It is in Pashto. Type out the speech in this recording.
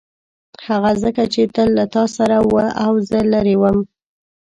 هغه ځکه چې تل له تا سره و او زه لیرې وم.